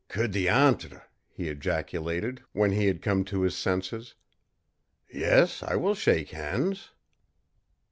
"Que diantre!" he ejaculated, when he had come to his senses. "Yes, I will shake hands!"